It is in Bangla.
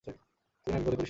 তুই না বিপদে পড়িস শেষে।